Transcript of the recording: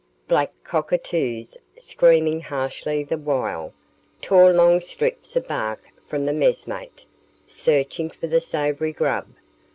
Black cockatoos, screaming harshly the while, tore long strips of bark from the messmate, searching for the savoury grub.